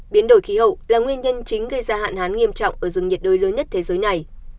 biến đổi khí hậu là nguyên nhân chính gây ra hạn hán nghiêm trọng ở rừng nhiệt đới lớn nhất thế giới này